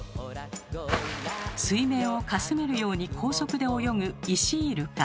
水面をかすめるように高速で泳ぐイシイルカ。